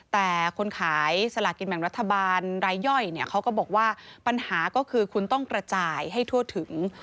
แต่คนขายสลากินแบ่งรัฐบาลรายย่อยเขาก็บอกว่าปัญหาก็คือคุณต้องกระจายให้ทั่วถึง